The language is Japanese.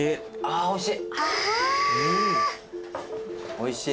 おいしい。